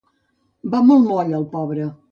Va molt moll, el pobre.